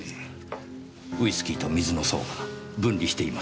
ウイスキーと水の層が分離しています。